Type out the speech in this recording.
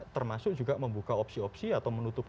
termasuk juga membuka opsi opsi atau menutup